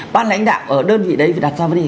bác lãnh đạo ở đơn vị đấy phải đặt ra vấn đề